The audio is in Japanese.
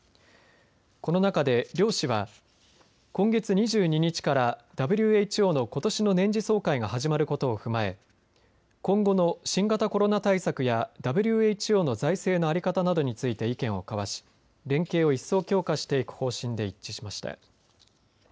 この中で両氏は今月２２日からＷＨＯのことしの年次総会が始まることを踏まえ今後の新型コロナ対策やＷＨＯの財政の在り方などについて意見を交わし連携を一層、強化していく方針で一致しました。